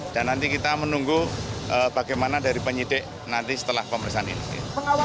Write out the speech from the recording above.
dan nanti kita menunggu bagaimana dari penyidik nanti setelah pemeriksaan ini